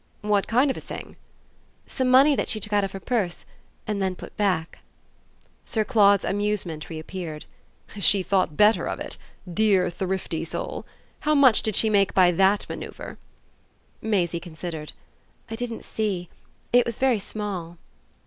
"What kind of a thing?" "Some money that she took out of her purse and then put back." Sir Claude's amusement reappeared. "She thought better of it. Dear thrifty soul! How much did she make by that manoeuvre?" Maisie considered. "I didn't see. It was very small."